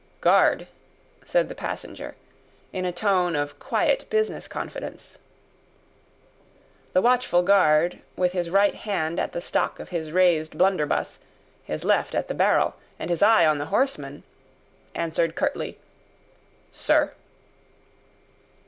"Guard!" said the passenger, in a tone of quiet business confidence. The watchful guard, with his right hand at the stock of his raised blunderbuss, his left at the barrel, and his eye on the horseman, answered curtly, "Sir."